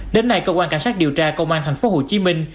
đến nay cơ quan cảnh sát điều tra công an tp hcm